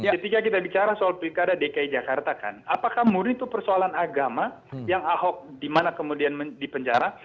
ketika kita bicara soal pilkada dki jakarta kan apakah murni itu persoalan agama yang ahok dimana kemudian dipenjara